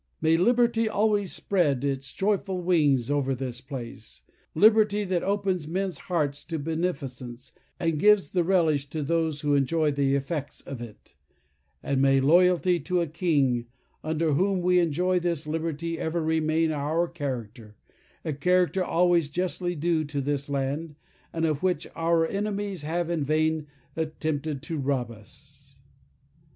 "May liberty always spread its joyful wings over this place—liberty, that opens men's hearts to beneficence, and gives the relish to those who enjoy the effects of it; and may loyalty to a king, under whom we enjoy this liberty, ever remain our character—a character always justly due to this land, and of which our enemies have in vain attempted to rob us."